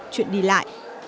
chuyện đi lại